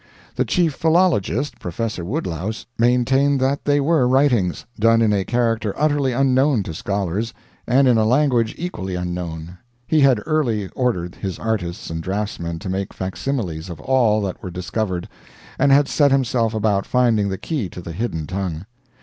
The chief philologist, Professor Woodlouse, maintained that they were writings, done in a character utterly unknown to scholars, and in a language equally unknown. He had early ordered his artists and draftsmen to make facsimiles of all that were discovered; and had set himself about finding the key to the hidden tongue.